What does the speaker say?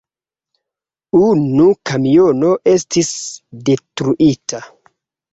Unu kamiono estis detruita.